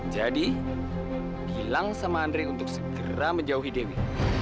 jadi bilang sama andre untuk segera menjauhi dewi